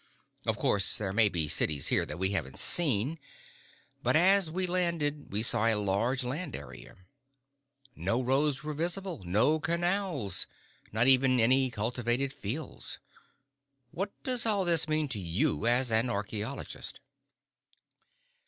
Of course there may be cities here that we haven't seen, but as we landed we saw a large land area. No roads were visible, no canals, not even any cultivated fields. What does all this mean to you, as an archeologist?"